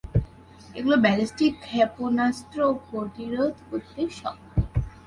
এগুলো ব্যালিস্টিক ক্ষেপণাস্ত্র প্রতিরোধ করতে সক্ষম।